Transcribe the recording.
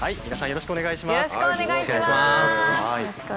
よろしくお願いします！